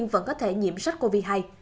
vẫn có thể nhiễm sách covid một mươi chín hay